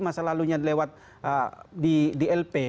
masa lalunya lewat di lp